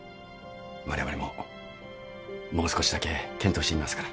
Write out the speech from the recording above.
われわれももう少しだけ検討してみますから。